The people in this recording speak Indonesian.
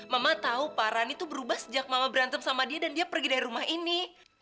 mama tahu paran itu berubah sejak mama berantem sama dia dan dia pergi dari rumah ini